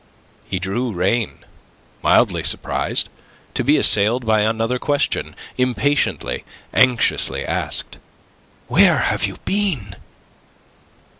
He drew rein, mildly surprised, to be assailed by another question, impatiently, anxiously asked. "Where have you been?"